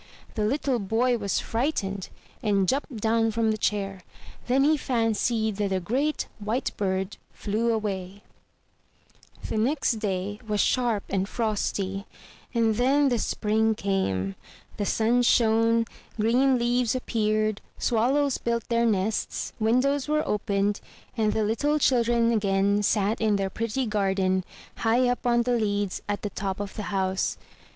The little boy was frightened, and jumped down from the chair. Then he fancied that a great white bird flew away. 305 MY BOOK HOUSE The next day was sharp and frosty, and then the spring came; the sun shone, green leaves appeared, swallows built their nests, windows \vere opened, and the little children again sat in their pretty garden, high up on the leads at the top of the house.